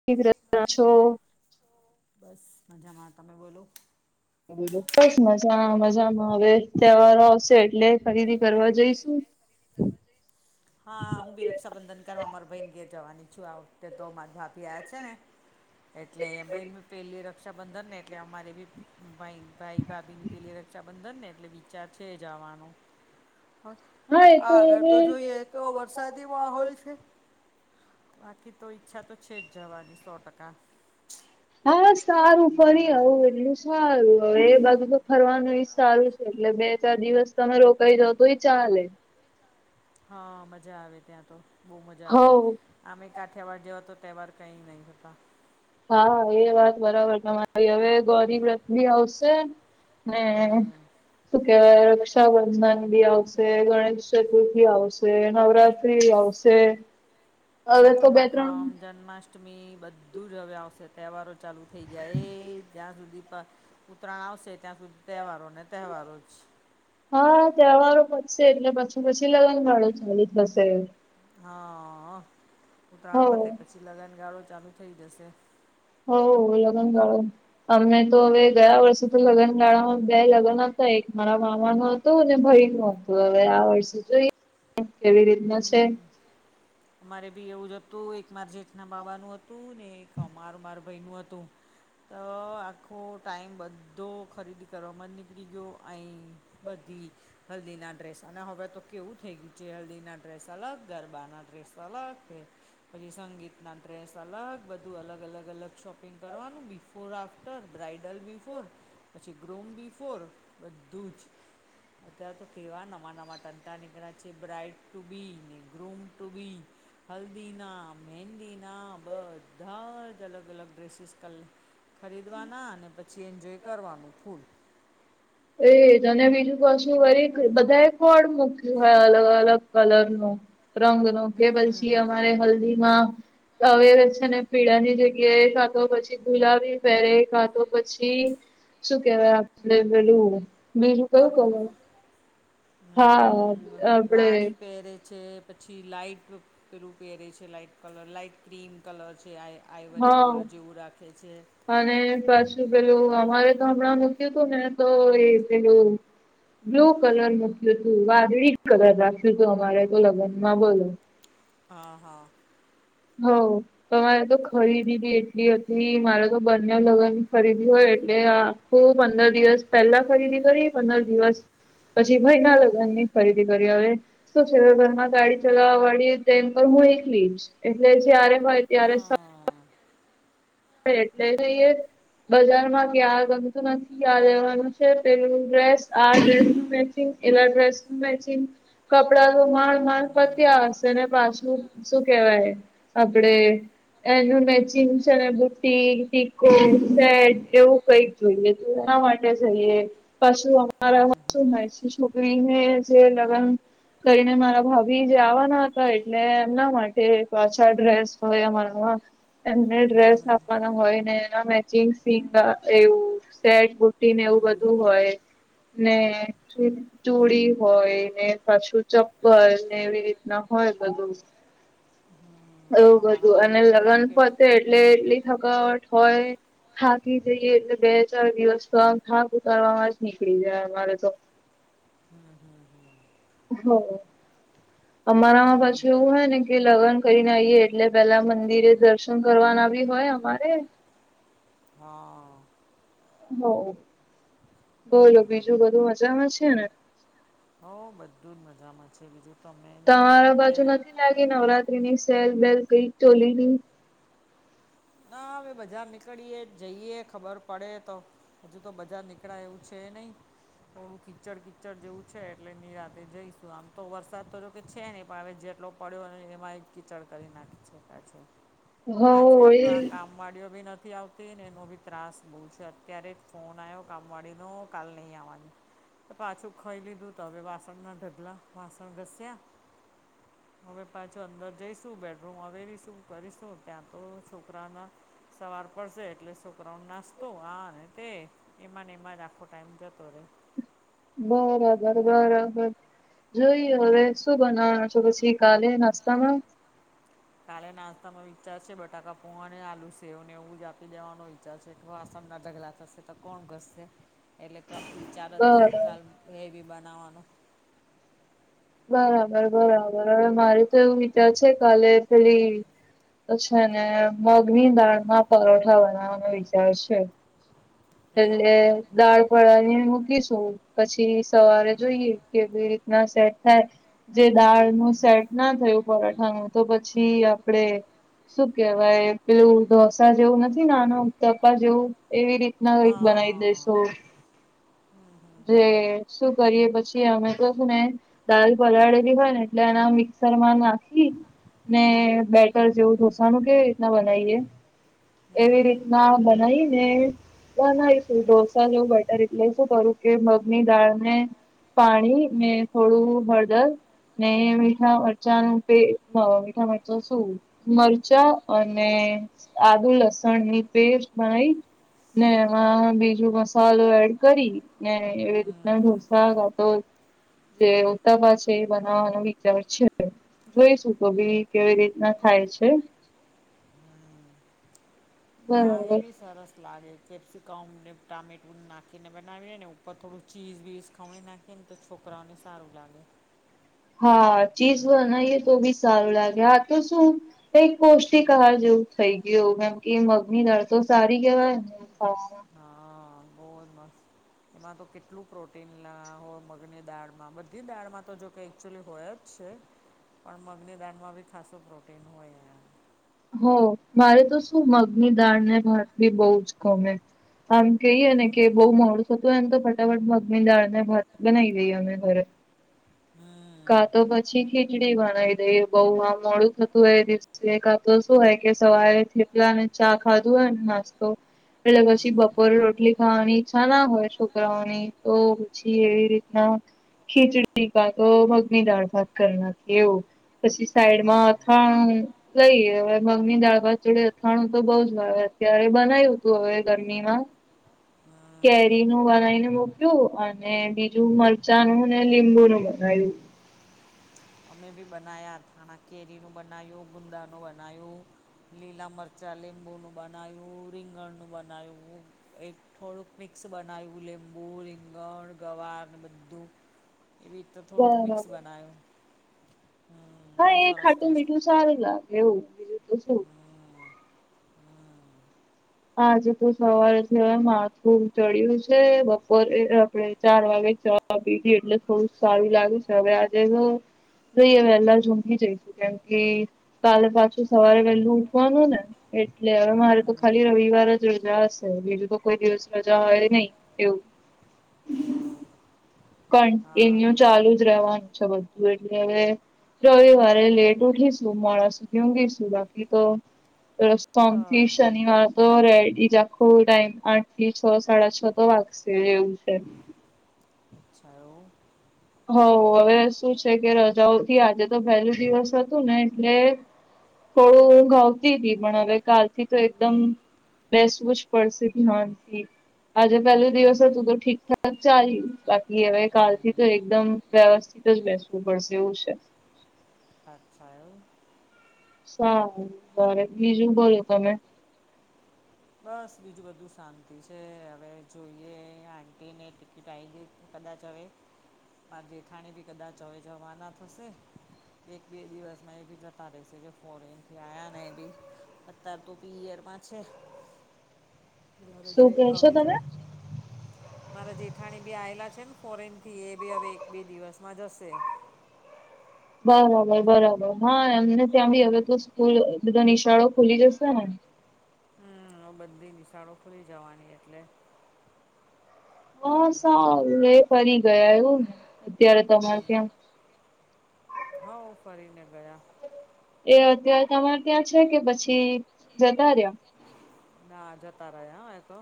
[inaudible] બસ મજામાં તમે બોલો બસ મજા મજામાં હવે તહેવારો આવશે એટલે ખરીદી કરવા જઈશું- હા હું બી રક્ષાબંધન કરવા મારા ભાઈન ઘે જવાની છું આ વખતે તો મારા ભાભી આ્યા છે ને- [inaudible] એટલે [unintelligible] પહેલી રક્ષાબંધનને એટલે અમારે બી- ભાઈ ભાઈ ભાભી ની પેલી રક્ષાબંધન ને એટલે વિચાર છે જવાનો- આ હા એ આગળ હવે તો જોઈએ કેવો વરસાદ [unintelligible] છે બાકી તો ઈચ્છા તો છે જ જવાની સો ટકા હા સારું ફરી આવું એટલું સારું હવે એ બાજુ તો ફરવાનું સારું છે એટલે બે ચાર દિવસ તમે રોકાઈ જાાવ તો એ ચાલે- હા મજા આવે ત્યાં તો બહુ મજા આવે હવ અમે કાઠ્યાવાર જેવા તો તહેવાર કંઈ નહીંતા હા એ વાત બરાબર તમારી હવે ગોરીબ રથની આવશે હમ ત રક્ષાબંધન બી આવશે ગણેશ ચતુર્થી આવશે નવરાત્રી આવશે [inaudible] હવે તો સાતમ બે ત્રણ માઠમ જન્માષ્ટ અષ્ટમી બધું જ હવે આવશે તહેવારો ચાલુ થઈ જાય એ જ્યાં સુધી ઉત્તરાયણ આવશે ત્યાં સુધી તહેવારોને તહેવારો જ છે હા તહેવારો વધશે એટલે પછી પછી લગનગાળો ચાલી થશે હા હો ઉતરાયણ પતે પછી લગાને ગાળો ચાલુ થઇ જશે હો લગ્ન ગાળું અમે તો હવે ગયા વર્ષે તો લગ્ન ગાળામાં બે લગ્ન હતા એક મારા મામા ન ભરી નતું હવે આ વર્ષે જોઈ કેવી રીતના છે અમારે બી એવું જ હતું એક માર જેઠના બાબાનુ હતું ને એક અમાર માર ભાઈ નું હતું તો આખો ટાઈમ બધો ખરીદી કરવામાં જ નીકળી ગયો અ બધી હલ્દી ના ડ્રેસાને હવે તો કેવું થઈ ગયું છે હલ્દીના ડ્રેસ અલગ ગરબા ના ડ્રેસ અલગ છે પછી સંગીતના ડ્રેસ અલગ બધું અલગ અલગ અલગ શોપિંગ કરવાનું before after bridal before પછી ગ્રૂમ બી ફોર બધું જ અત્યારે તો કેવા નવા નવા ટંટા નીકળ્યા છે bride to beam to be હલ્દીના મહેંદીના બધા જ અલગ અલગ ડ્રેસીસ કર ખરીદવાના અને પછી એન્જોય કરવાનું ફૂલ એ તને બીજું પાછુ વરી બધા એ કોડ મૂક્યું હોય અલગ અલગ કલર નું રંગનો કે હમ પછી અમારે હલ્દીમાં આવે છે ને પીળાની જગ્યાએ ખાતો પછી ગુલાબી પહેરે ખાતો પછી શું કેવાય આપણે પેલું બીજું પર્પ કયું ખર હા આપડે પેરે છે પછી લાાઈટ પેલું પહેરે છે light colour light cream colour છે આ આઈવરી હા કલર જેવું રાખે છે અને પાછુ પેલું અમારે તો હમણાં મૂક્યું હતું ને તો એ પેલું બ્લુ કલર મૂક્યું હતું વાદળી કલર રાખ્યું હતું અમારે તો લગ્નમાં બોલો હા હા હ તમારે તો ખરીદી બી એટલી હતી મારે તો બંને લગ્ન ની ખરીદી હોય એટલે આ હું પંદર દિવસ પહેલા ખરીદી કરી પંદર દિવસ પછી ભય ના લગ્ન ની ખરીદી કરી હવે શું છે ઘરમાં ગાડી ચલાવા વાળી તેમ પર હું એકલીશ એટલે જયારે હોય ત્યારે હા એટલે જઈએ બજાર માં ક્યાં ગમતું નથી ક્યાં લેવાનું છે પેલું ડ્રેસ આ ડ્રેસચ એ ડ્રેસ મેચિંગ કપડા ન માલ માલ પત હમ હશે ને પાછું શું કેવાય આપડે એનું મેચિંગ છે ને ટીે ટીકો સેટ એવું કઈક જોઈએ તો એના માટે જઈએ પશું અમારા શું નહેસી છોકરીને જે લગ્ન કરીને મારા ભાભી જે આવવાના હતા એટલે એમના માટે પાછા ડ્રેસ હોય અમારા એમને હમ ડ્રેસ આ હોય ને એના મેચિંગ સિંગ એવું સેટ બુટી એવું હમ બધું હોય ને શ ચુડી હોય ને પાછું ચપ્પલ ને એવી રીતના હોય બધું એવું હમ બધું અમારામાં અને બી બી લગ્ન કે પતે એટલે એટલી થકાવટ હોય થાકી જઈએે એટલે બે ચાર દિવસ તો આમ થાંક ઉતારવા જ નીકળી જાય અમારે તો હમ હમ હ અમારામાં હમ પાછું એવું હમ હોય ને કે લગ્ન કરીને આઈએ એટલે પેલા મંદિરે દર્શન કરવાના બી હોય અમારે હા હોઉં બોલો બીજું બધું મજામાં છે ને હો બધું જ મજામાં છે બીજું તો અમે તમારા મે બાજુ નથી લાગી નવરાત્રીની સેલ બેલ કઈ ચોલી ની ના હવે બજાર નીકળીએ જઈએ ખબર પડે તો હજુ તો બજાર નીકળાય એવું છે નહી થોડું કીચડ કીચડ જેવું છે એટલે નિરાતેે જઈશું આમ તો વરસાદ તો જોકે છે ને પણ આવેે જેટલો પડ્યો અને એમાંય કીચડ કરી નાખી શકાય છે હોઉં એ કામવાડીઓ બી નથી આવતી એનો બી ત્રાસ બહુ છે અત્યારે જ ફોન આવ્યો કામવાડીનો કાલ નહી આવવા નીવા જ પાછું ખઈ લીધું તો હવે વાસણ ના ઢગલા વાસણ ઘસ્યા હવે પાછું અંદર જઈશું બેડરૂમ અવેરીશું કરીશું ત્યાં તો છોકરાના સવાર પડશે એટલે છોકરાઑનો નાસ્તો આ તે એમાં ને એમાં રાખો ટાઈમ જતો રહે બરાબર બરાબર જોઈએ હવે શું બનાવાનું છે પછી કાલે નાસ્તામાં કાલે નાસ્તાનો વિચાર છે બટાકા પોવા અને આલુ સેવ ને એવું જ આપી દેવાનો વિચાર છે કે વાસન ના ઢગલા થશે તો કોણ ઘસશે એટલે વિચાર જ બરાબર નહી કાલૅ હેવી બનાવવાનો બરાબર બરાબર હવે મારે તો એવું વિચાર છે કાલે પેલી તો છે ને મગની દાળમાં પરોઠા બનાવવાનો વિચાર છે એવું એટલે દાળ પલારીને મૂકીશું પછી સવારે જોઈએ કેવી રીતના સેટ થાય જે દાળનું સેટ ના થયું પરાઠાનું તો પછી આપણેે શું કેવાય પેલું ઢોસા જેવું નથી નાના ઉતપા જેવું એવી રી નવું કઈક બનાવી હા દઈશું જે શું કરીએ પછી અમે તો ચ્ચેને દાલ પલાળેલી હોય ને એટલે એના મિક્સર માં નાખી ને બેટર જેવું ઢોસા નું કેવી રીતના બનાવીએ એવી રીતના બનાઈને ના ના એ શું કમઢોસા જેવું બટર એટલે શું કરું કે મગની દાળ ને પાણી ને થોડું હળદર નહી મીઠા મરચાનું પે હોય મીઠા મરચુ શું મરચાં અને આદુ લસણની પેસ્ટ બનાઈ ને એમાં બીજું મસાલો એડ કરી ને એવી રીતના હમ ઢોસા કા તો જે ઉતપા છે એ બનાવવાનો વિચાર છે જોઈશું તો ભી કેવી રીતના થાય છે? હા એ બરાબર બી સરસ લાગે કેપ્સિકમ ને ટામેટું નાખીને બનાવીને ને ઉપર થોડું ચીઝ-વીઝ ખમણી નાખે ને તો છોકરાઓને સારું લાગે હા ચીઝ બનાવીએ તો બી સારું લાગે હા તો શું કઈક પૌષ્ટિક આહાર જેવું થઈ ગયુજેમ કે મગની દાળ તો સારી કહેવાયને. હા હા બહુત મસ્ત, એમાં તો કેટલું પ્રોટીન હોય મગની દાળમાં બધી દાળમાં તો જો કે એકચુલી હોય જ છે. પણ મગની દાળમાં બી ખાસું પ્રોટીન હોય એમ હો મારે તો શું મગની દાળને ભાત બી બહ જ ગમે. આમ કહીએ ને કે બહુ મોડું થતું હોય તો ફટાફટ મગની દાળ ને ભાત બનાવી દઈએ અમે ઘરે. હમ કા તો પછી ખીચડી બનાવી દઈ બઉ આમ મોડું થતું એ એ દિવસે કા તો શું હોય કે સવારે થેપલા અને ચા ખાધું હોય નાસ્તો. એટલે હમ હમ પછી બપોરે રોટલી ખાવાની ઈચ્છા ના હોય છોકરાઓની તો પછી એવી રીતના ખીચડી કાતો મગની દાળ ભાત કરી નાખીએ એવું. પછી સાઈડમાં હા અથાણું લઈએ. હવે મગ ની દાળ ભાત જોડે અથાણું તો બઉ જ આવે અત્યારે બનાવ્યું તું હવે ગરમી માં હમ કેરી નું બનાવીને મૂક્યું અને બીજું મરચાં નું ને લીંબુ નું બનાવ્યું. અમે બી બનાયા થાણા કેરીનું બનાવ્યું ગુંદાનું બનાવ્યું. લીલા મરચાં લીંબુ નું બનાવ્યું, રીંગણ નું બનાવ્યું. એક થોડુંક મિક્સ બનાવ્યું લીંબુ, રીંગણ, ગવાર, ને બધ્ધુ. એવી રીતે થોડુંક મિક્સ બરાબર બનાવે. હા એ ખાટું ટેસ્ટ મીઠું સારું લાગે એવું બીજું તો શું. હમ હમ આજે તો સવારેથી હવે માથું ચડ્યું છે બપોરે આપડે ચાર વાગે પીધી એટલે થોડું સારું લાગે છે હવે આજે તો જોઈએ વહેલા જ [unintelligible] જઈશું કેમ કે કાલે પાછું સવારે વલ્લુ ઉઠવાનું ને એટલે હવે મારે તો ખાલી હમ રવિવાર જ રજા હશે બીજું તો કોઈ દિવસ રજા હોય નહી એવુ. એવું કન હા એન્યુ હા ચાલુ જ રહેવાનું છે બધું એટલે હવે રવિવારે લેટ ઉઠીશું મોડા સુધી ઊંઘીશું બાકી તો સોમ થી હા શનિવાર તો રેડઈ જ આખો ટાઈમ આઠ થી છ સાડા છ તો વાગશે એમ છે. છેઓ. હઓ હવે શું છે કે રજાઓ થી આજે તો પહેલું દિવસ હતું ને એટલે થોડું ઊંઘ આવતી હતીતી પણ હવે કાલ થી તો એકદમ બેસવું જ પડશે ધ્યાનથી. આજે પેલું દિવસ હતું તો ઠીક ઠાક ચાલીયુ બાકી હવે કાલ થી, તો એકદમ વ્યવસ્થિત જ બેસવું પડશે એવું છે. થાક ખાયો સારું બ બીજું બોલો તમે? બસ બીજું બધું શાંતિ છે હવે જોઈએ આંટીને ટિકિટ આઈ ગઈ? કદાચ હવે મા જેેઠાણી બી કદાચ હવે જોવાના થસે? એક બે દિવસમા એ બી જતા રેશે જે ફોરેનથી આયા ને એ બી અતાર તો પીયરમાં છે. હવે શું જઈ કેશો હવે જ તમે? મારા જેઠાણી બી આવેલા છે ને ફોરેન થી, એ બી હવે એક બે દિવસમાં જશે. બરાબર બરાબર હા એમને ત્યાં બી હવે તો સ્કૂલ બધા નિશાળો ખુલી જશે ને? હમ્મ બધી નિશાળો ખુલી જવાની એટલે- હા હમ સારું એ ફરી ગયા એવુને અત્યારે તમારે ત્યા- હ ફરીને ગયા- એ અત્યારે તમારે ત્યાં છે કે પછી જતા રહ્યા? ના જતા રહ્યા હોય તો?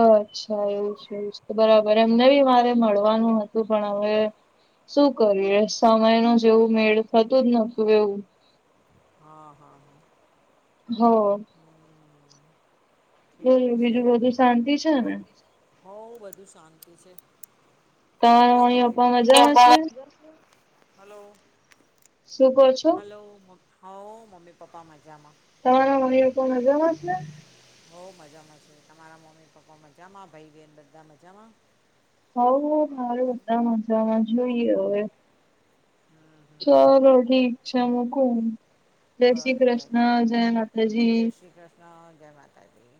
અચ્છા એવું છે, એવું બરાબર એમને બી મારે મળવાનું હતું પણ હવે શું કરીએ? સમય ન જેવું મેળ થતું જ નતું એવું હા હા હા હ હમ બ ઠીક બીજું બધું શાંતિ છે ને- હો હું બધું શાંતિ છે તમારા અરેક મમ્મી પપ્પા મજામાં પું- છે હલો શું કહો છો હલો હો મમ્મી પપ્પા મજામાં- તમારા વાઓ કો મજમ હશે ને- બઉ મજામાં છે તમારા મમ્મી પપ્પા મજામાં ભાઈ બહેન બધા મજામાં- હો હ સારું મજમાં જોઈએ હવે- હમ- ચલોો ઠીક છે મુકુ જય શ્રી ભલે કૃષ્ણ જય માતાજી- હ જય માતા જી